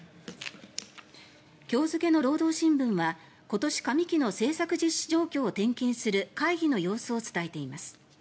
今日付の労働新聞は今年上期の政策実施状況を点検する会議の様子を伝えています。